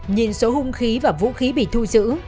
nhìn số hung khí và vũ khí bị thu giữ